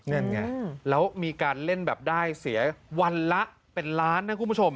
นั่นไงแล้วมีการเล่นแบบได้เสียวันละเป็นล้านนะคุณผู้ชม